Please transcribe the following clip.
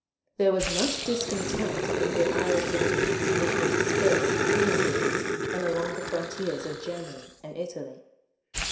There was much discontent in the Irish regiments which were dispersed through the Netherlands and along the frontiers of Germany and Italy.